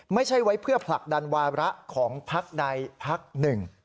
ไม่ใช่ไว้เพื่อผลักดันวาระของพักใดพักหนึ่ง